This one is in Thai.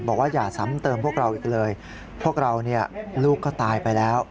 อย่าซ้ำเติมพวกเราอีกเลยพวกเราเนี่ยลูกก็ตายไปแล้ว